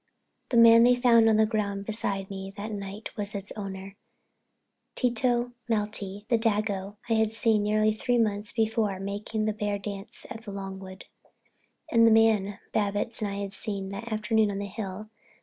The man they found on the ground beside me that night was its owner, Tito Malti, the dago I had seen nearly three months before making the bear dance at Longwood, and the man Babbitts and I had seen that afternoon on the hill.